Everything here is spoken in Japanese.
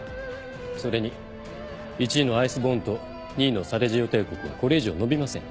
それに１位のＩＣＥＢＯＲＮと２位のサレジオ帝国はこれ以上伸びません。